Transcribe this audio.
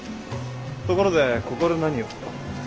ところでここで何を？